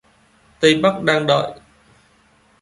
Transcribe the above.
Tây Bắc đang đợi